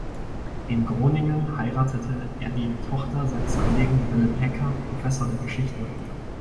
In Groningen heiratete er die Tochter seines Kollegen Willem Hecker, Professor der Geschichte.